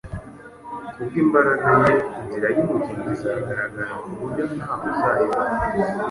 Kubw’imbaraga ye, inzira y’ubugingo izagaragara ku buryo ntawe uzayiyoba.